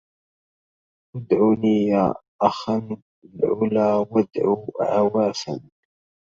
ادعني يا أخا العلا وادع عواسا